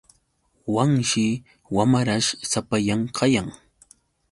Wanshi wamarash sapallan kayan.